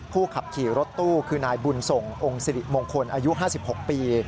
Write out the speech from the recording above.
ขับขี่รถตู้คือนายบุญส่งองค์สิริมงคลอายุ๕๖ปี